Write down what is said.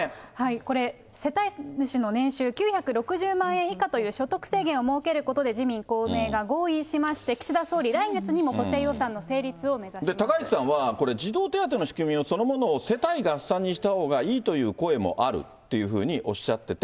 これ、世帯主の年収９６０万円以下という所得制限を設けることで自民、公明が合意しまして、岸田総理、来月にも補正予算の成高市さんはこれ、児童手当の仕組みそのものを世帯合算にしたほうがいいという声もあるっていうふうにおっしゃってて。